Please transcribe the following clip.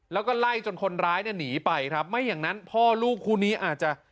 แล้วก็ไล่จนคนร้ายเนี่ยหนีไปครับไม่อย่างนั้นพ่อลูกคู่นี้อาจจะ